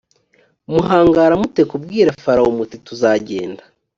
muhangara mute kubwira farawo muti tuzagenda